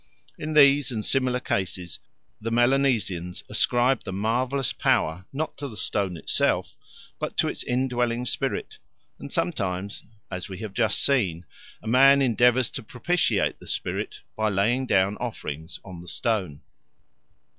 In these and similar cases the Melanesians ascribe the marvellous power, not to the stone itself, but to its indwelling spirit; and sometimes, as we have just seen, a man endeavours to propitiate the spirit by laying down offerings on the stone.